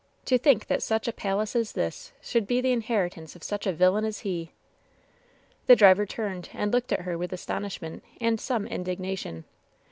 "To think that such a palace as this should be the inheritance of such a villain as he !'^ The driver turned and looked at her with astonish ment and some indignation.